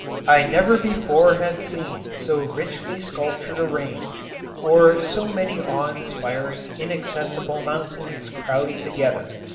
I never before had seen so richly sculptured a range or so many awe inspiring inaccessible mountains crowded together.